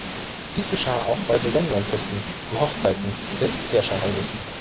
Dies geschah auch bei besonderen Festen, wie Hochzeiten des Herrscherhauses.